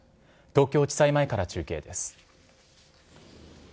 東京地裁前から中継です。